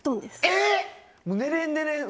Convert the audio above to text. えっ！